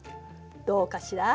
どうかしら？